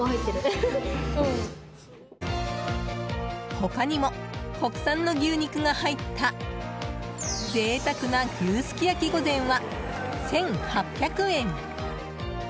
他にも、国産の牛肉が入った贅沢な牛すき焼き御膳は１８００円。